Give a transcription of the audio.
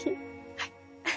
はい。